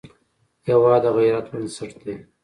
هېواد د غیرت بنسټ دی.